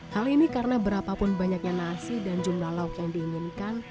hal ini karena berapapun banyaknya nasi dan jumlah lauk yang diinginkan